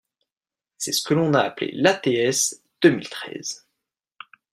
C’est ce que l’on a appelé l’ATS deux mille treize.